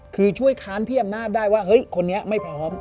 คือช่วยค้านพี่อำนาจได้ว่าเฮ้ยคนนี้ไม่พร้อม